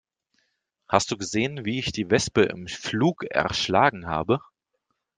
Hast du gesehen, wie ich die Wespe im Flug erschlagen habe?